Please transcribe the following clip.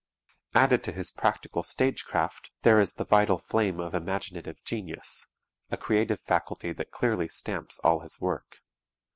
Added to his practical stage craft there is the vital flame of imaginative genius, a creative faculty that clearly stamps all his work.